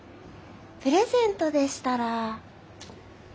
プレゼントでしたら。